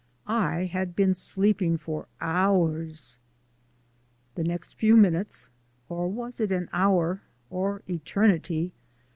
I had been sleeping for hours! The next few minutes (or was it an hour or eternity?)